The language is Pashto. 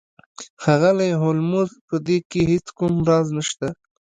ښاغلی هولمز په دې کې هیڅ کوم راز نشته